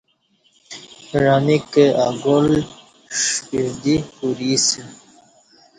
عمیک کں اگال ݜپِݜ دی کوری اسہ